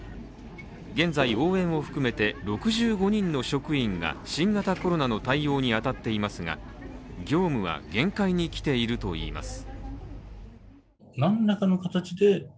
現在、応援を含めて６５人の職員が新型コロナの対応に当たっていますが、業務は限界にきているといいます。